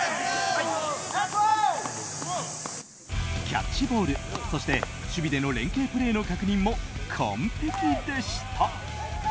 キャッチボールそして、守備での連係プレーの確認も完璧でした。